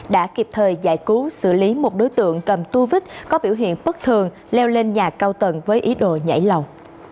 đã kịp thời giải cứu xử lý một đối tượng cầm tu vích có biểu hiện bất thường leo lên nhà cao tầng với ý đồ nhảy lầu